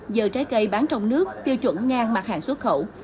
giờ trái cây bán trong nước tiêu chuẩn ngang mặt hàng xuất khẩu